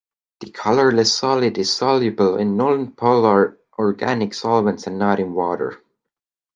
This colorless solid is soluble in nonpolar organic solvents and not in water.